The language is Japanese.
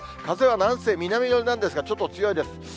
風は南西、南寄りなんですが、ちょっと強いです。